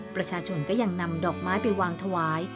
ประชาชนก็ยังนำดอกไม้ไปวางถวาย